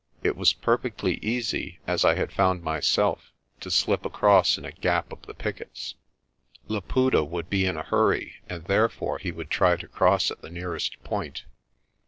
It was per fectly easy, as I had found myself, to slip across in a gap of the pickets. Laputa would be in a hurry, and therefore he would try to cross at the nearest point.